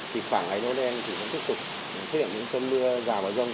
thì khoảng ngày noel thì sẽ tiếp tục thiết hiện những cơn mưa rào vào rông